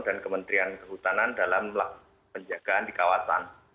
dan kementerian kehutanan dalam melakukan penjagaan di kawasan